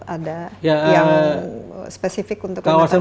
ada yang spesifik untuk menangkap kedepan